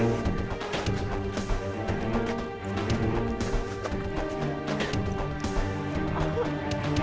di jalan maukwaru